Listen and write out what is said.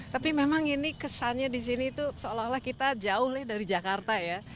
tapi memang ini kesannya di sini itu seolah olah kita jauh ya dari jakarta ya